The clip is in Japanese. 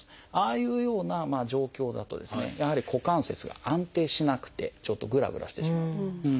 ああいうような状況だとですねやはり股関節が安定しなくてちょっとぐらぐらしてしまう。